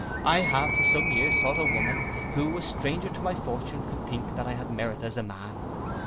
I have for some years sought for a woman, who a stranger to my fortune could think that I had merit as a man.